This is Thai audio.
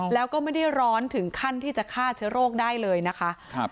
แล้วก็ไม่ได้ร้อนถึงขั้นที่จะฆ่าเชื้อโรคได้เลยนะคะ